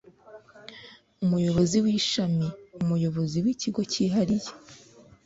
Umuyobozi w ishami Umuyobozi w ikigo cyihariye